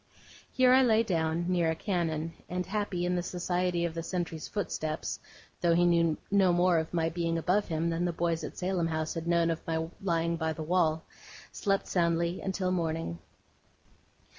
Here I lay down, near a cannon; and, happy in the society of the sentry's footsteps, though he knew no more of my being above him than the boys at Salem House had known of my lying by the wall, slept soundly until morning.